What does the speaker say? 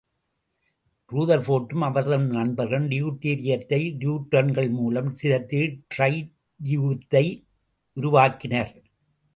ரூதர்போர்டும் அவர்தம் நண்பர்களும் டியூட்டிரியத்தை டியூட்ரான்கள் மூலம் சிதைத்து ட்ரைடியத்தை உருவாக்கினர்.